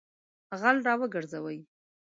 غله راوګرځوئ!